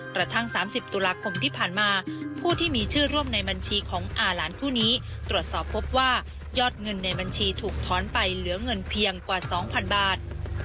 กระทั่ง๓๐ตุลาคมที่ผ่านมาผู้ที่มีชื่อร่วมในบัญชีของอาหลานคู่นี้ตรวจสอบพบว่ายอดเงินในบัญชีถูกถอนไปเหลือเงินเพียงกว่า๒๐๐๐บาท